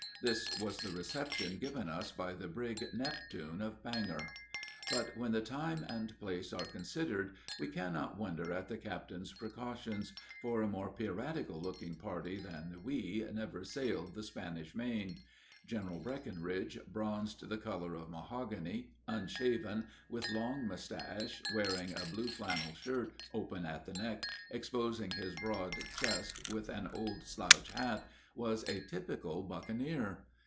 This was the reception given us by the brig Neptune of Bangor. But when the time and place are considered, we cannot wonder at the captain's precautions, for a more piratical looking party than we never sailed the Spanish main. General Breckinridge, bronzed the color of mahogany, unshaven, with long mustache, wearing a blue flannel shirt open at the neck, exposing his broad chest, with an old slouch hat, was a typical bucaneer.